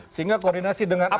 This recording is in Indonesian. sehingga koordinasi dengan angkatan